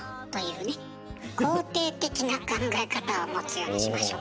肯定的な考え方を持つようにしましょう。